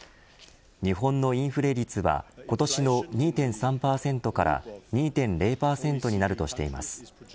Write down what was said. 日本のインフレ率は今年の２．３％から２．０％になるとしています。